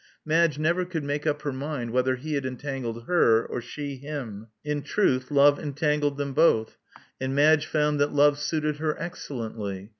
Madge never could make up her mind whether he had entangled her or she him. In truth love entangled them both;' and Madge found that love suited her excellently.